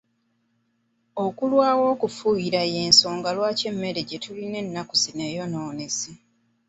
Okulwawo okufuuyira y'ensonga lwaki emmere gye tulina ennaku zino eyonoonese.